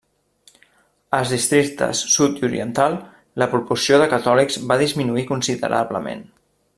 Als districtes sud i oriental, la proporció de catòlics va disminuir considerablement.